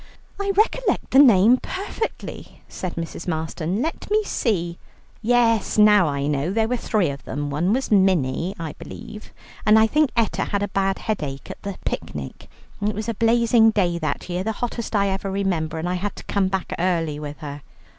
"I recollect the name perfectly," said Mrs. Marston. "Let me see; yes, now I know. There were three of them, one was Minnie, I believe, and I think Etta had a bad headache at the picnic. It was a blazing day that year, the hottest I ever remember, and I had to come back early with her."